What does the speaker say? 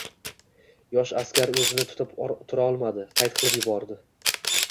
Yosh askar o`zini tutib tura olmadi qayt qilib yubordi